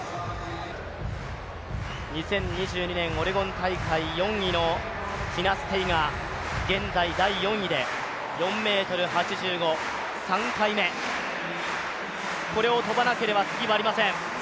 ２０２２年オレゴン大会４位のティナ・ステイが現在第４位で４ｍ８５、３回目、これを跳ばなければ次はありません。